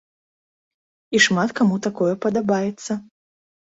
І шмат каму такое падабаецца.